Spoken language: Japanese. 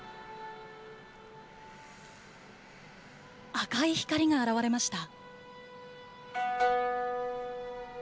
赤い光が現れました。